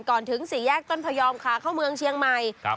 ก่อนถึงสิรภ์แยกต้นเค้าเมืองเชียงใหม่